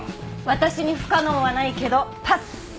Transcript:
私に不可能はないけどパス！